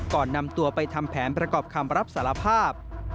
ก่อนนำตัวไปทำแผนประกอบคำรับสารภาพ